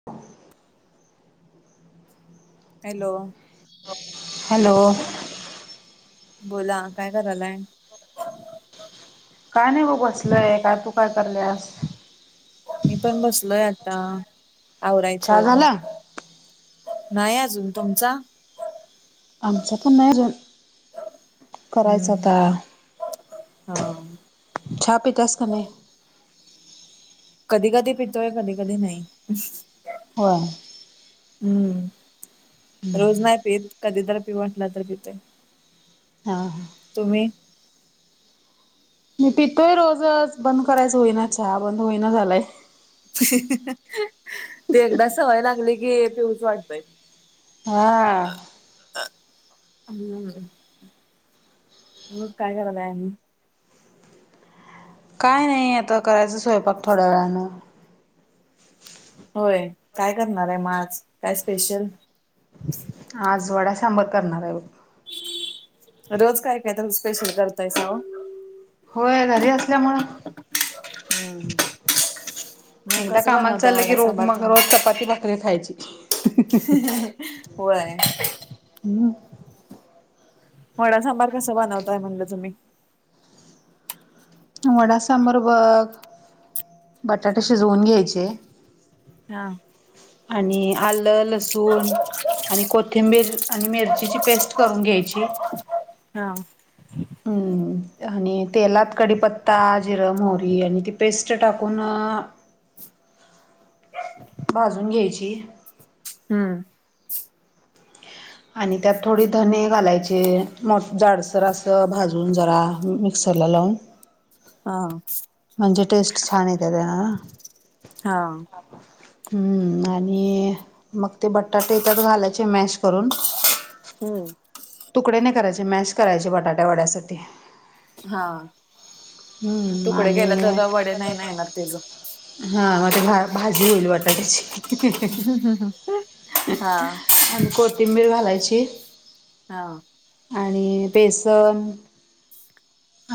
[inaudible] Hello hello बोला काय करायलाय काय नाही ब बसलय काय तू काय करलंस? मी पण बसलोय आता आवरायच. चहा झाला? नाही अजून तुमचा? आमचा पण नाई अजून करायच हम्म आता ह छहा पितीयास का नाही? कधी कधी पितोय, कधी कधी नाही. होय हम्म, रोज नाही पित कधी तर पिऊ वाटला तर पिते. आ हा. तुम्ही मी पितोय रोजच बंद करायच होईना चहा बंद होईना झालाय. ते एकदा सवय लागली की पेऊच वाटतय हा. मग काय करालाय आणि? काय नाही आता करायचं स्वयंपाक थोड्या वेळानं. होय काय करणार आहे म आज काय स्पेशल? आज वडा सांबर करणार आहे बघ रोज काय काय तर स्पेशल करतायसा ओ होय घरी असल्यामुळे हम्म मग एकदा कसं कामाला बनवताय चाललं की वडा रोग सांबार मग तुम्ही रोज च पाती भाकरी खायची होय. हम्म वडा सांबार कसं बनवताय म्हणलं तुम्ही वडा सांबर बघ, बटाटे शिजवून घ्यायचे. हा आणि आलं लसूण आणि कोथिंबीर आणि मिरचीची पेस्ट करून घ्यायची हा. [inaudible] हम्म आणि तेलात कडीपत्ता जिरं मोहरी आणि ती पेस्ट टाकून भाजून घ्यायची. हम्म. आणि त्यात थोडी धने घालायचे मो जाडसर असं भाजून जरा मिक्सरला लावून हा म्हणजे टेस्ट छान येते त्याला ना. हा हम्म आणि मग ते बटाटे त्यात घालायचे मॅश करून हम्म तुकडे नाही करायचे मॅश करायचे बटाट्या वड्यासाठी हा हम्म तुकडे गेला आणि जरा वडे नाही नाही येणार तेज हा म ते भा भाजी होईल बटाट्याची हा. आणि कोथिंबीर घालायची हा आणि बेसन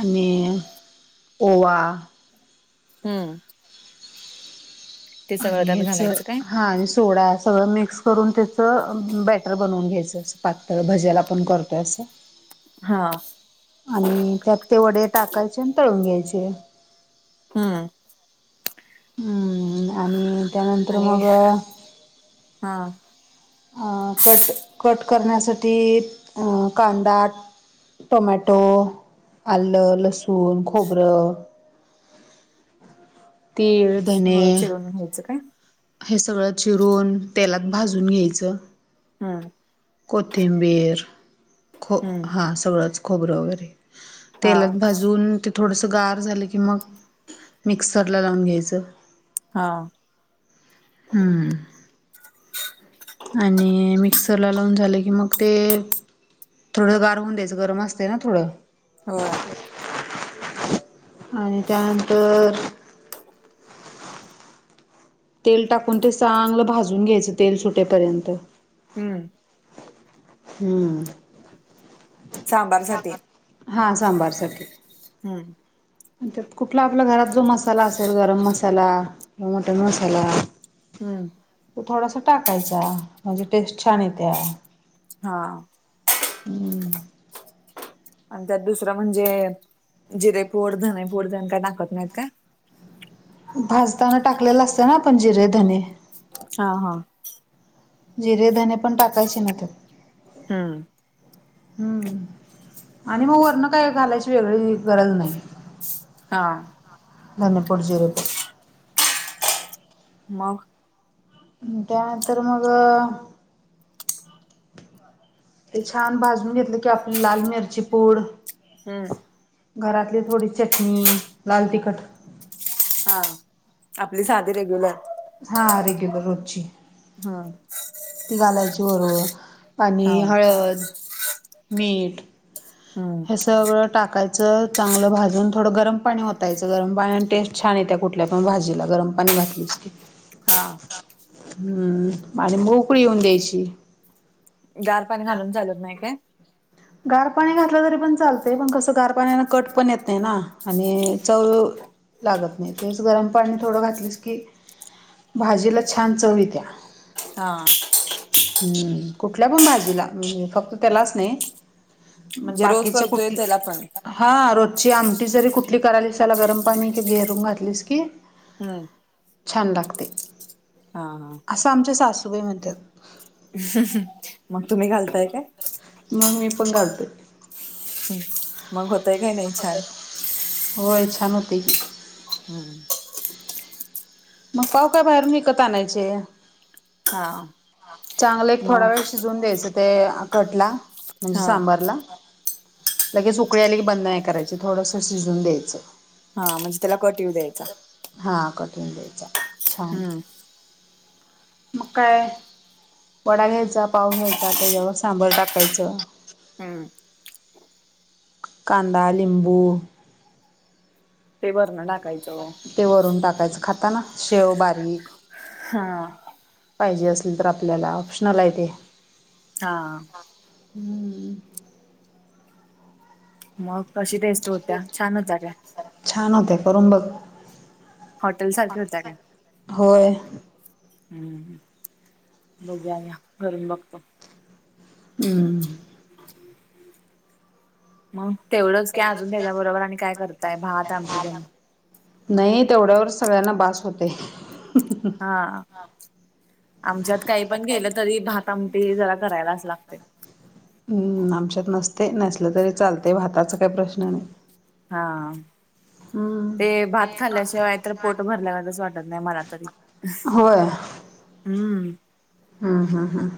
आणि ओवा हम्म. ते सगळं आणि त्यात हेच घालायचं काय? हा आणि सोडा सगळं मि क्स करून त्याच बॅटर बनवून घ्यायच असं पातळ भज्याला आपण करतोय असं हा. आणि त्यात ते वडे टाकायचे आणि तळून घ्यायचे. हां. उम आणि त्यानंतर आणि मग हा आं कट कट अ करण्यासाठी कांदा टोमॅटो, आलं, लसूण, खोबरं तीळ धने सगळं चिरून घ्यायचं काय? हे सगळं चिरवून तेलात भाजून घ्यायचं हा. कोथिंबीर खो हम्म हां सगळंच खोबरं वगैरे हा तेलात भाजून ते थोडंसं गार झालं की मग मिक्सरला लावून घ्यायचं. हा. हम्म आणि मिक्सर ला लावून झाले की मग ते थोडं गार होऊन द्यायचं गरम असते ना थोडं होय आणि त्यानंतर तेल टाकून ते सांगलं भाजून घ्यायचं तेल सुटेपर्यंत हम्म. हम्म. सांभरसाठी हां हम्म. मग त्यात कुठला आपल्या घरात जो मसाला असेल गरम मसाला, मटन मसाला हम्म. ते थोडासा टाकायचा म्हणजे टेस्ट छान येतेया. हा. हम्म. आणि त्यात दुसरं म्हणजे जिरे पोड, धने पोड तेन काय टाकत नाहीत काय? भाजताना टाकलेलं असतं ना आपण जिरे, धने हा हा. जिरे, धने पण टाकायचे ना ते. हम्म. हम्म. आणि मग वरनं काय घालायची वेगळी गरज नाही. हा. धनेपूड, जिरेपूड मग त्यानंतर मग ते छान भाजून घेतलं की आपली लाल मिरची पूड हम्म घरातली थोडी चटणी लाल तिखट हा आपली साधी रेग्युलर हा रेग्युलर रोजची हा ती घालायची बरोबर आणि हा हळद, मीठ हम्म. हे सगळं टाकायचं चांगलं भाजून थोडं गरम पाणी ओतायचं गरम पाण्या आणि टेस्ट छान येत्या कुठल्या पण भाजीला गरम पाणी घातलीस की. हां. हम्म माझ मोकळी येऊन द्यायची गार पाणी घालून चालत नाही काय? गार पाणी घातलं तरी पण चालत पण कसं गार पाण्यान कट पण येत नाही ना आणि चव लागत नाही तेच गरम पाणी थोडं घातलंस की भाजीला छान चव येतीया हा हम्म कुठल्या पण भाजीला म्हणजे फक्त त्यालाच नाही म्हणजे रोज बाकीच्या करतोय त्याला पण कुठल्या हा रोजची आमटी जरी कुठली करायलीस त्याला गरम पाणी कि घेरून घातलीस की हम् छान लागतंय हा हा असं आमच्या सासूबाई म्हणतेत मग तुम्ही घालताय काय? मग मी पण घालतोय ह् मग होतय काही नाही छान होय छान होतय की हम्म मग पाव काय बाहेरून विकत आणायचे हा चांगलं एक थोडा मग वेळ शिजून द्यायचं ते कटला म्हणजे हा सांबरला. लगेच उकळी आली की बंद नाही करायच थोडंसं शिजवून द्यायचं. हा म्हणजे त्याला कट येऊ द्यायचा हा कट येऊन द्यायचं छान हम्म मग काय वडा घ्यायचा पाव घ्यायचा त्याच्यावर सांबर टाकायचं. हम्म. कांदा लिंबू ते वरन टाकायचं ते वरून टाकायचं खाताना शेव बारीक. हां पाहिजे असेल तर आपल्याला ऑप्शनल आहे ते हा हम्म मग कशी टेस्ट होतीया छान होतीया काय? छान होतय करून बघ हॉटेल सारख्या होत्या काय? होय. हम्म बघूया ग्या करून बघतो. हम्म [inaudible] मग तेवढंच की अजून त्याच्याबरोबर आणि काय करताय भात आमटी तेन नाही तेवढ्यावर सगळ्यांना बास होतंय. हा आमच्यात काही पण गेलं तरी भात आमटी जरा करायलाच लागतय. हम्म आमच्यात नसते नसलं तरी चालते भाताचा काही प्रश्न नाही. हा ते हम्म भात खाल्ल्याशिवाय तर पोट भरल्या आहे असं वाटत नाही मला तरी. होय. हम्म. हम्म हम्म हम्म.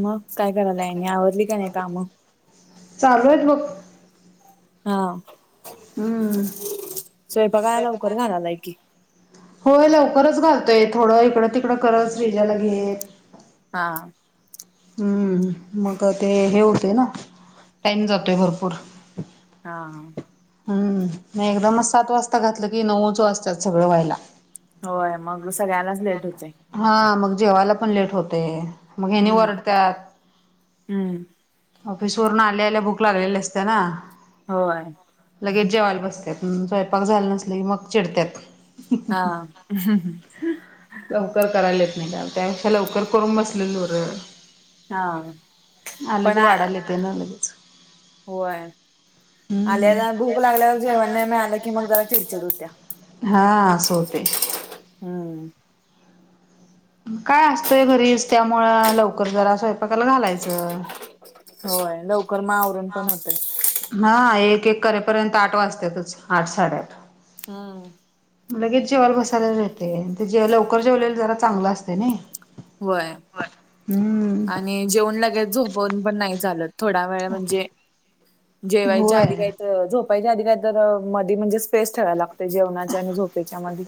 मग काय करायला आहे आवरली का नाही काम. चालू आहेत बघ. हा. हम्म. स्वयंपाकाला लवकर घालालाय की. होय लवकरच घालतोय थोडं इकडं तिकडं करच [unintelligible] घे हा. हम्म, मग ते हे होतय ना टाइम जातोय भरपूर. हा हा. हम्म हम्म नाही एकदमच सात वाजता घातलं की नऊच वाजतात सगळं व्हायला. होय मग सगळ्यालाच लेट होतंय. हा मग जेवायला पण लेट होते मग ह्यानी हम्म वरडत्यात. हम्म ऑफिस वरून आल्या आल्या बुक लागलेली असते ना होय लगेच जेवायला बस्त्यात, स्वयंपाक झालं नसले की मग चिडत्यात. हा. लवकर करायलाेत नाही का त्यापेक्षा लवकर करून बसलेलो बरं आहे. हा आलगी पण वाढायला येते ना लगेच. होय आल्याला हम्म भूक लागल्यावर जेवण नाही मिळालं की मग जरा चिडचिड होत्या. हा असं होते. हम्म. म काय असतंय घरीच त्यामुळं लवकर जरा स्वयंपाकाला घालायचं. होय लव हा एक एक करेपर्यंत आठ वाजतेतच आठ साडेआठ. हा. लगेच जेवाला बसायला येते ते जे लवकर जेवलेल जरा चांगलं असते नये. वय आणि जेवण लगेच झोपून पण नाही चालत. थोडा वेळ म्हणजे जेवायच्या होय आदी काही त झोपायच्या आदी काही तर मधी म्हणजे स्पेस ठेवायला लागतय जेवणाच्या आणि झोपेच्या मधी.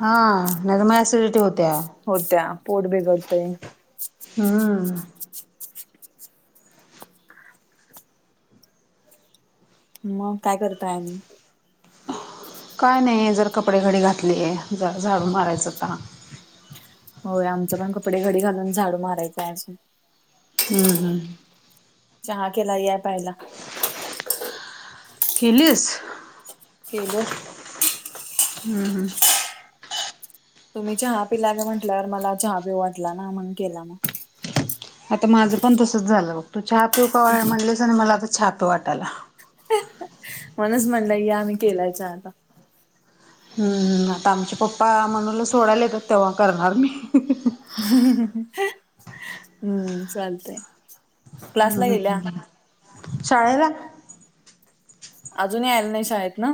हा नाही तर म एसिडिटी होत्या. होत्या पोट बिघडतय. हम्म. म काय करताय आणि? काय नाही जर कपडे घडी घातली आहे ज झाडू मारायचं होता. होय आमचा पण कपडे घडी घालून झाडू मारायचं असो. हम्म हम्म. चहा केला या प्यायला. केलीस केलो. हम्म हम्म. तुम्ही चहा पिलानी म्हंटल्यावर मला चहा पिऊ वाटला ना म्हणून केला ना. आता माझं पण तसच झालं बघ तू चहा पिव का म्हणलेस आणि मला आता चहा पिऊ वाटायला. म्हणच म्हणलंय आम्ही केलायच आता. हम्म हम्म आता आमचे पप्पा मनूला सोडायला येतात तेव्हा करणार मी. हम्म चालतय. हम्म हम्म शाळेला अजूनही आयला नाही शाळेत ना?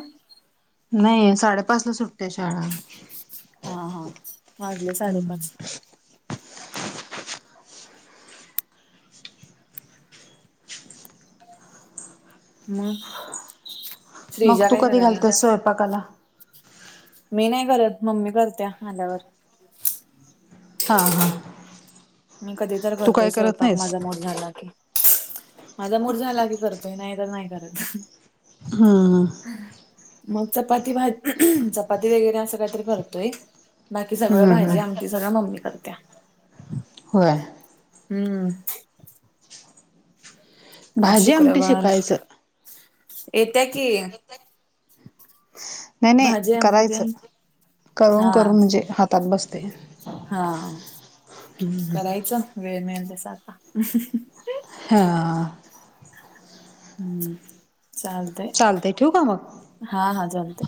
नाय साडेपाच ला सुटते शाळा. हा हा वाजले साडे पाच. [inaudible] म मग श्रीजा तू काय कधी करायला? घालतेस स्वयंपाकाला मी नाही करत मम्मी करत्या आल्यावर. हा हा. मी कधी तर तू करतोय काय करत स्वयंपाक नाहीस माझा मुड झाला की. माझा मूड झाला की करतोय नाही तर नाही करत. हा. मग चपाती भात चपाती वगेरे असं काहीतरी करतोय. बाकी सगळं हम्म हम्म भाजी आमटी सगळं मम्मी करत्या. होय. हम्म. आज भाजी आमटी शुक्रवार शिकायचं येत्या की. नाही नाही भाजी आमटी करायचं तेन करून हा करून म्हणजे हात तात बसते. हा करायचं वेळ मिळेल जसं आता. हां. हम्म चाल चालतय ठेऊ का मग? हा हा जालते.